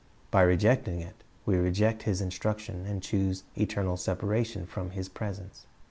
Ry rejecting it, we reject His instruction, and choose eternal separation from His presence.